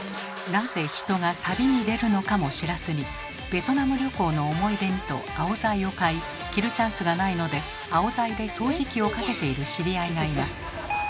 なぜ人が旅に出るのかも知らずにベトナム旅行の思い出にとアオザイを買い着るチャンスがないのでアオザイで掃除機をかけている知り合いがいます。